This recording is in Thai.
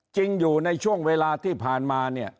อยู่ในช่วงเวลาที่ผ่านมาเนี่ย